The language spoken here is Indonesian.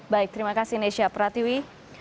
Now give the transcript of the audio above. baik terima kasih nesya pratiwi